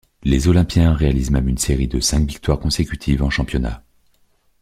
Les olympiens réalisent même une série de cinq victoires consécutives en championnat.